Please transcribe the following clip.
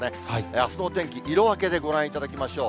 あすのお天気、色分けでご覧いただきましょう。